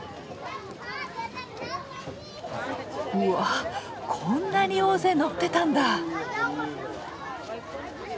うわこんなに大勢乗ってたんだ！